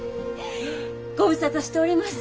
ご無沙汰しております。